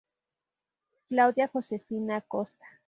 Claudia Josefina Acosta.